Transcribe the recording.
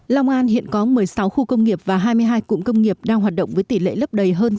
long an hiện có một mươi sáu khu công nghiệp và hai mươi hai cụm công nghiệp đang hoạt động với tỷ lệ lớp đầy hơn tám mươi